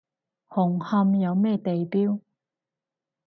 紅磡有咩地標？